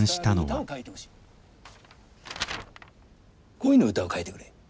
恋の歌を書いてくれ。